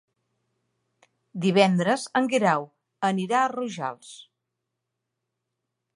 Divendres en Guerau anirà a Rojals.